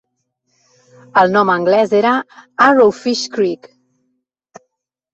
El nom anglès era "Arrow Fish Creek".